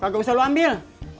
gak usah lo ambil